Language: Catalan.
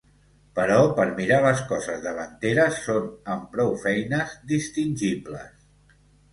Però per mirar les coses davanteres són amb prou feines distingibles.